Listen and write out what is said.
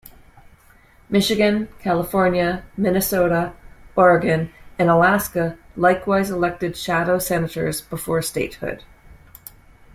Michigan, California, Minnesota, Oregon, and Alaska likewise elected shadow senators before statehood.